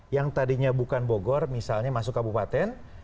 yang tadinya bukan bogor misalnya masuk kabupaten